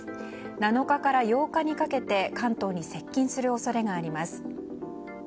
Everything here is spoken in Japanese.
７日から８日にかけて関東に接近する恐れがあります。